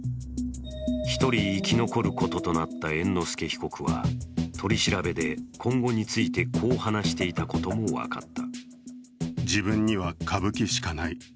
１人生き残ることとなった猿之助被告は取り調べで今後についてこう話していたことも分かった。